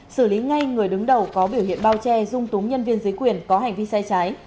xử lý ngay người đứng đầu có biểu hiện bao che dung túng nhân viên dưới quyền có hành vi sai trái